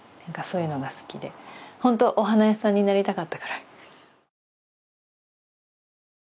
そういうのが好きでホントお花屋さんになりたかったくらい。